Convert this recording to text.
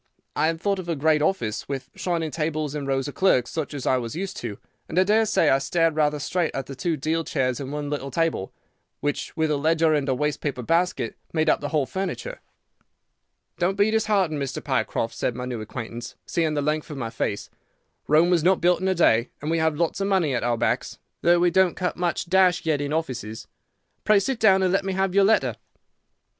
I had thought of a great office with shining tables and rows of clerks, such as I was used to, and I daresay I stared rather straight at the two deal chairs and one little table, which, with a ledger and a waste paper basket, made up the whole furniture. "'Don't be disheartened, Mr. Pycroft,' said my new acquaintance, seeing the length of my face. 'Rome was not built in a day, and we have lots of money at our backs, though we don't cut much dash yet in offices. Pray sit down, and let me have your letter.